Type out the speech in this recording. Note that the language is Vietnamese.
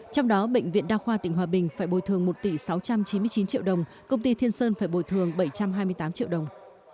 trong đó bệnh viện đa khoa tỉnh hòa bình phải bồi thường một tỷ sáu trăm chín mươi chín triệu đồng công ty thiên sơn phải bồi thường bảy trăm hai mươi tám triệu đồng